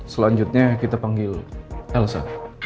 selanjutnya kita panggil elsa